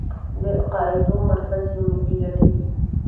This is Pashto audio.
د قاعدو مرکز یې ملي ګټې دي.